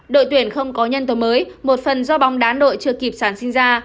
đội tuyển không có nhân tố mới một phần do bóng đá đội chưa kịp sản sinh ra